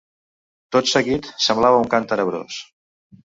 Tot seguit, semblava un cant tenebrós.